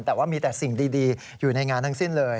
แต่ว่ามีแต่สิ่งดีอยู่ในงานทั้งสิ้นเลย